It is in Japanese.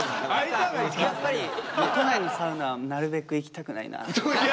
やっぱり都内のサウナはなるべく行きたくないな。